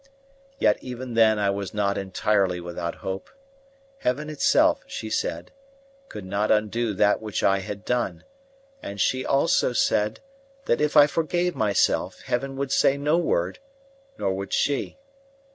Yet even then I was not entirely without hope. Heaven itself, she said, could not undo that which I had done; and she also said that if I forgave myself, Heaven would say no word, nor would she.